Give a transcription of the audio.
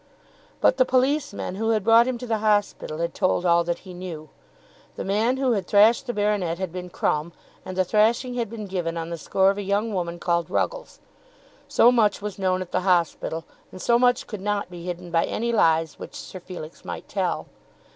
But the policeman who had brought him to the hospital had told all that he knew. The man who had thrashed the baronet had been called Crumb, and the thrashing had been given on the score of a young woman called Ruggles. So much was known at the hospital, and so much could not be hidden by any lies which Sir Felix might tell.